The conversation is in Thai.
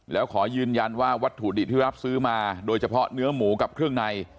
แล้วขอยืนยันว่าวัตถุดิบที่รับซื้อมาโดยเฉพาะเนื้อหมูกับเครื่องใน